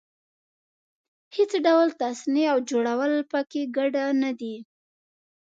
هېڅ ډول تصنع او جوړول په کې ګډه نه ده.